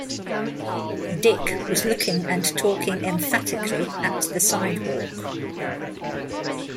Dick was looking and talking emphatically at the sidewalk.